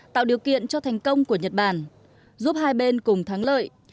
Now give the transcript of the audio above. tạo điều kiện cho thành công của nhật bản giúp hai bên cùng thắng lợi